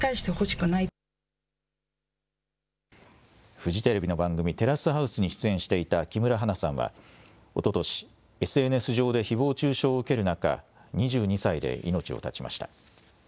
フジテレビの番組、テラスハウスに出演していた木村花さんはおととし、ＳＮＳ上でひぼう中傷を受ける中、２２歳で命を絶ちました。